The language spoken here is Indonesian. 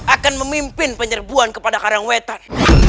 akan memimpin penyerbuan kepada karangwetan